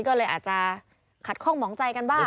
ก็เลยอาจจะขัดข้องหมองใจกันบ้าง